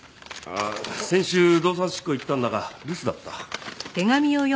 先週動産執行に行ったんだが留守だった。